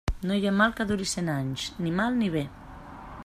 No hi ha mal que duri cent anys; ni mal, ni bé.